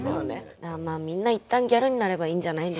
まあみんな一旦ギャルになればいいんじゃないでしょうか。